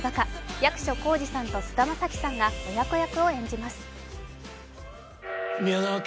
役所広司さんと菅田将暉さんが親子役を演じます。